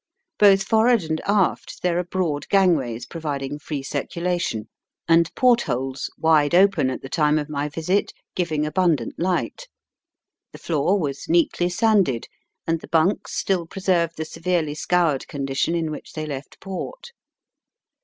Both forward and aft there are broad gang ways providing free circulation, and portholes, VOL. I. 2 Digitized by VjOOQIC 18 EAST BY WEST. wide open at the time of my visit, giving abundant light. The floor was neatly sanded, and the bunks still preserved the severely scoured condition in which they left port.